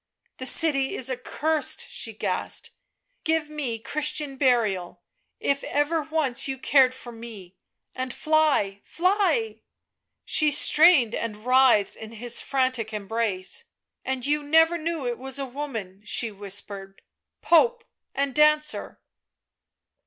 " The city is accursed," she gasped ;" give me Chris tian burial, if ever once you cared for me, and fly, fly !" She strained and writhed in his frantic embrace. " And you never knew it was a woman," she whis pered, " Pope and dancer.